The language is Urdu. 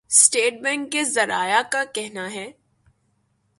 سٹیٹ بینک کے ذرائع کا کہناہے